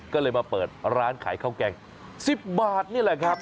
ก็เลยมาเปิดร้านขายข้าวแกง๑๐บาทนี่แหละครับ